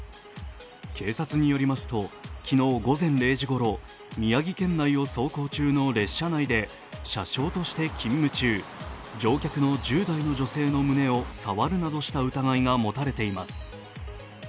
警察によりますと昨日午前０時ごろ宮城県内を走行中の列車内で車掌として勤務中、乗客の１０代の女性の胸を触るなどした疑いが持たれています。